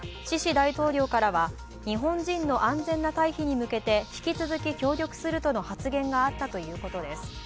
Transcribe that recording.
大統領からは、日本人の安全な退避に向けて引き続き協力するとの発言があったということです。